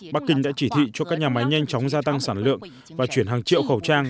bắc kinh đã chỉ thị cho các nhà máy nhanh chóng gia tăng sản lượng và chuyển hàng triệu khẩu trang